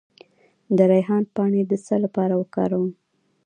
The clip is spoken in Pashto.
د ریحان پاڼې د څه لپاره وکاروم؟